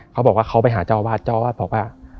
เขาบอกว่าเค้าไปหาเจ้าบ้าเจ้าบอกว่า